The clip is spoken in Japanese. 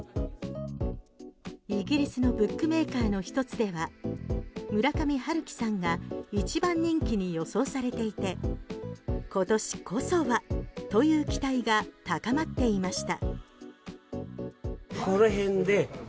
イギリスのブックメーカーの１つでは村上春樹さんが一番人気に予想されていて今年こそはという期待が高まっていました。